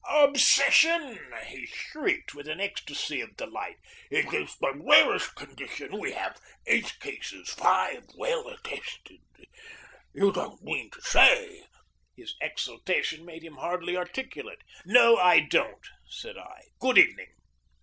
"Obsession!" he shrieked, in an ecstasy of delight. "It is the rarest condition. We have eight cases, five well attested. You don't mean to say " His exultation made him hardly articulate. "No, I don't," said I. "Good evening!